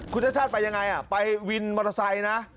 คุณชาติชาติไปยังไงไปวินมอเตอร์ไซค์นะ